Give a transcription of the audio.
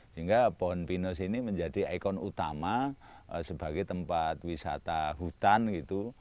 sehingga pohon pinus ini menjadi ikon utama sebagai tempat wisata hutan gitu